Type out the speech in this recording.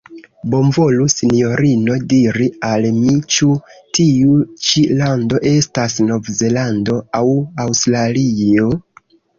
Bonvolu, Sinjorino, diri al mi ĉu tiu ĉi lando estas Nov-Zelando aŭ Aŭstralio?.